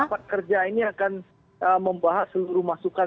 rapat kerja ini akan membahas seluruh masukan